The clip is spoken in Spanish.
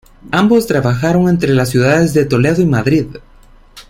Ambos trabajaron entre las ciudades de Toledo y Madrid.